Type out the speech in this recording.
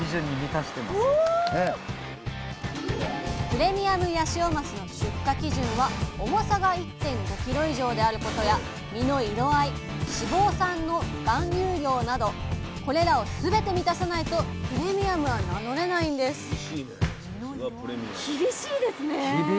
プレミアムヤシオマスの出荷基準は重さが１．５ｋｇ以上であることや身の色合い脂肪酸の含有量などこれらをすべて満たさないとプレミアムは名乗れないんですさあ